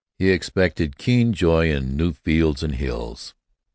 He expected keen joy in new fields and hills.